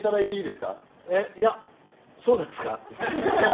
いやそうですか？